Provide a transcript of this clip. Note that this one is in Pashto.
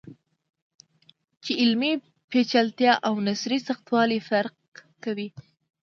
چې علمي پیچلتیا او نثري سختوالی فرق کوي.